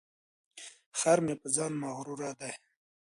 خر مې په ځان مغروره دی.